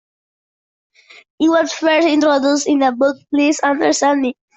It was first introduced in the book "Please Understand Me".